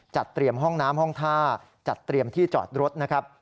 จัดเตรียมห้องน้ำห้องท่าจัดเตรียมที่จอดรถนะครับ